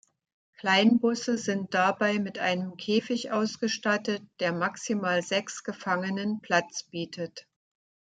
Kleinbusse sind dabei mit einem Käfig ausgestattet, der maximal sechs Gefangenen Platz bietet.